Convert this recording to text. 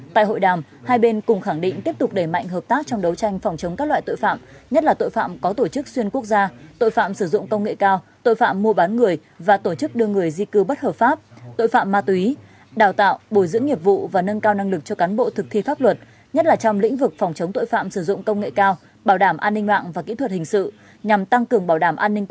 tại hội đàm hai bên cùng khẳng định tiếp tục đẩy mạnh hợp tác trong đấu tranh phòng chống các loại tội phạm nhất là tội phạm có tổ chức xuyên quốc gia tội phạm sử dụng công nghệ cao tội phạm mua bán người và tổ chức đưa người di cư bất hợp pháp tội phạm ma túy đào tạo bồi dưỡng nghiệp vụ và nâng cao năng lực cho cán bộ thực thi pháp luật nhất là trong lĩnh vực phòng chống tội phạm sử dụng công nghệ cao bảo đảm an ninh mạng và kỹ thuật hình sự nhằm tăng cường bảo đảm an nin